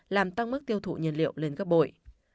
làm tăng mức tiêu thụ nhiên liệu lên gấp bội